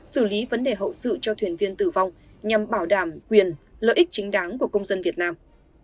xử lý vấn đề hậu sự cho thuyền viên tử vong nhằm bảo đảm quyền lợi ích chính đáng của công dân việt nam